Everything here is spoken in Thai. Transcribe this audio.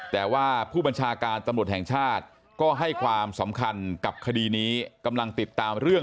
แต่ว่าผู้บัญชาการตำรวจแห่งชาติก็ให้ความสำคัญกับคดีนี้กำลังติดตามเรื่อง